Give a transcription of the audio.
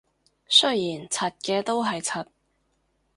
雖然柒嘅都係柒